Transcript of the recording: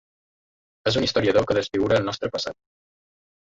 És un historiador que desfigura el nostre passat.